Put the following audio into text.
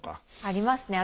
ありますね。